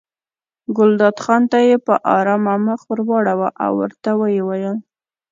ګلداد خان ته یې په ارامه مخ واړاوه او ورته ویې ویل.